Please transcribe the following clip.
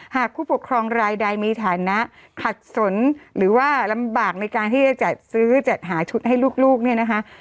ผู้ปกครองรายใดมีฐานะขัดสนหรือว่าลำบากในการที่จะจัดซื้อจัดหาชุดให้ลูกเนี่ยนะคะ